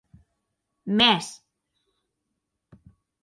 Mès!